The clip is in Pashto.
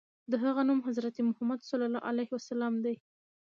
د هغه نوم حضرت محمد ص دی.